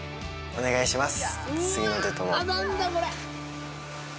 お願いします